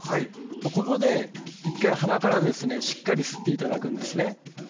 ここで１回、鼻からしっかり吸っていただくんですね。